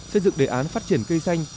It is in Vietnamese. xây dựng đề án phát triển cây xanh